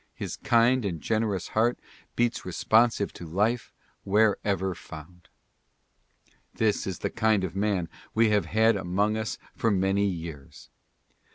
His kind and generous heart beats responsive to life wherever found. This is the kind of man we have had among us for many years.